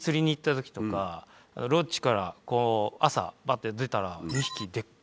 ロッジからこう朝バッて出たら。